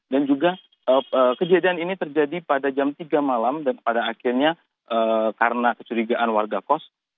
dan juga kejadian ini terjadi pada jam tiga malam dan pada akhirnya karena kecurigaan warga kos